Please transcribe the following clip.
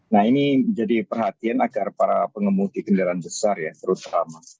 nah ini jadi perhatian agar para pengemudi kendaraan besar ya terutama